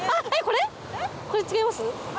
これ違います？